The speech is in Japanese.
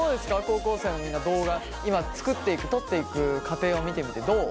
高校生のみんな動画今作っていく撮っていく過程を見てみてどう？